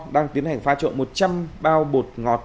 đang tiến hành pha trộn một trăm linh bao bột ngọt